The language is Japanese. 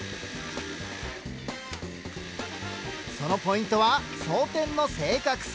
そのポイントは装填の正確さ。